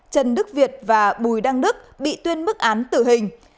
trần đức việt và bùi đăng đức bị tuyên mức án tử hình